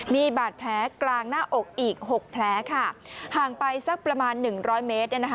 มีบาดแผลกลางหน้าอกอีก๖แผลค่ะห่างไปสักประมาณ๑๐๐เมตร